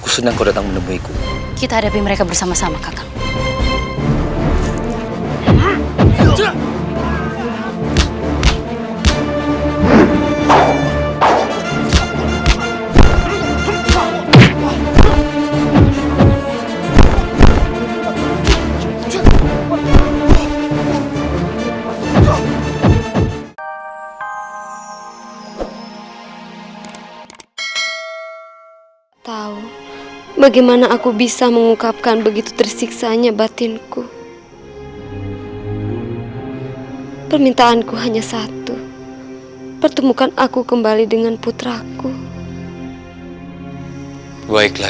sampai jumpa di video selanjutnya